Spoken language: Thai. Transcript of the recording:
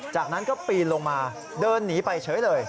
จากนั้นก็ปีนลงมาเดินหนีไปเฉยเลย